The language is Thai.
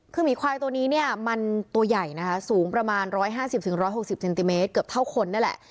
คือหมี่ควายตัวนี้เนี่ยมันตัวใหญ่นะฮะสูงประมาณร้อยห้าสิบถึงร้อยหกสิบเซนติเมตรเกือบเท่าคนนั่นแหละ